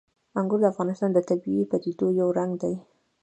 انګور د افغانستان د طبیعي پدیدو یو رنګ دی.